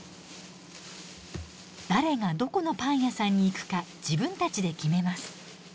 誰がどこのパン屋さんに行くか自分たちで決めます。